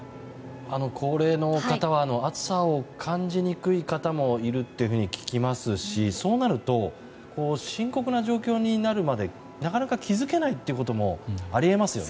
高齢の方は暑さを感じにくい方もいると聞きますしそうなると深刻な状況になるまでなかなか気づけないということもあり得ますよね。